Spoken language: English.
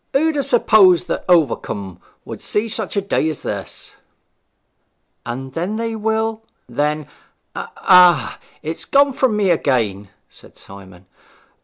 who'd ha' supposed that Overcombe would see such a day as this!' 'And then they will ' 'Then Ah, it's gone from me again!' said Simon.